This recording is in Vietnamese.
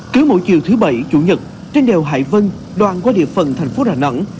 cứ mỗi chiều thứ bảy chủ nhật trên đèo hải vân đoàn qua địa phận thành phố đà nẵng